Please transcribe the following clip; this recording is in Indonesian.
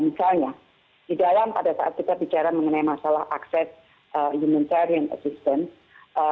misalnya di dalam pada saat kita bicara mengenai masalah akses humantarian assistance